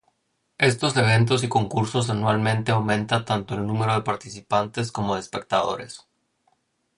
Estos eventos y concursos anualmente aumenta tanto el número de participantes como de espectadores.